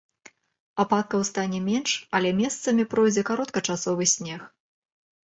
Ападкаў стане менш, але месцамі пройдзе кароткачасовы снег.